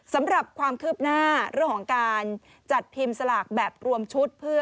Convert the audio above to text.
สำหรับความคืบหน้าเรื่องของการจัดพิมพ์สลากแบบรวมชุดเพื่อ